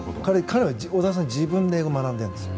彼は自分で英語を学んでいるんですよ。